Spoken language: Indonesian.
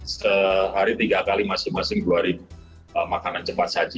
sehari tiga kali masing masing dua ribu makanan cepat saji